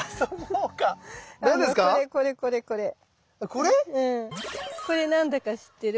これ何だか知ってる？